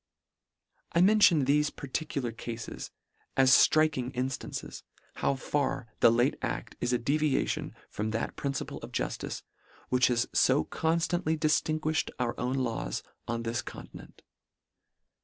I mention thefe particular cafes as fink ing instances, how far the late aft is a devi ation from that principle of juftice, which has fo constantly diftinguifhed our own laws on this continent.